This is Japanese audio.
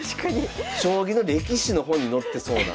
将棋の歴史の本に載ってそうな。